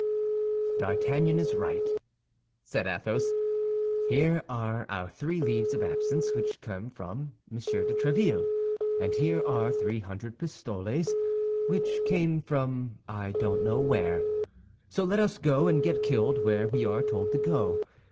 "D'Artagnan is right," said Athos; "here are our three leaves of absence which came from Monsieur de Tréville, and here are three hundred pistoles which came from I don't know where. So let us go and get killed where we are told to go.